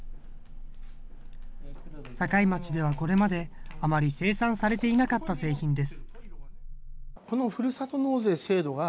境町ではこれまであまり生産されていなかった製品です。